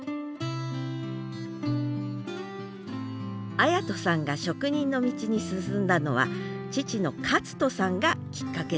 礼人さんが職人の道に進んだのは父の克人さんがきっかけでした。